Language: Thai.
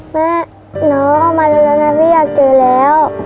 แม่น้องมาแล้วนะพี่อยากเจอแล้ว